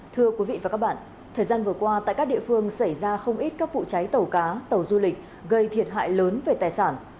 thưa quý vị và các bạn thời gian vừa qua tại các địa phương xảy ra không ít các vụ cháy tàu cá tàu du lịch gây thiệt hại lớn về tài sản